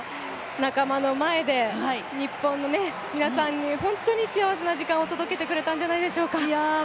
仲間の前で日本の皆さんに本当に幸せを届けてくれたんじゃないでしょうか。